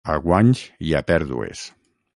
A guanys i a pèrdues.